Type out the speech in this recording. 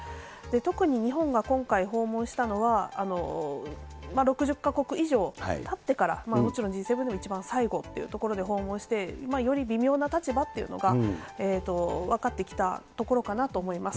特に日本が今回訪問したのは、６０か国以上たってから、もちろんＧ７でも一番最後ということで、訪問して、より微妙な立場っていうのが分かってきたところかなと思います。